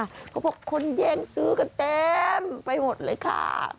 เขาบอกคนแย่งซื้อกันเต็มไปหมดเลยค่ะ